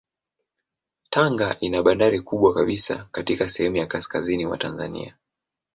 Tanga ina bandari kubwa kabisa katika sehemu ya kaskazini mwa Tanzania.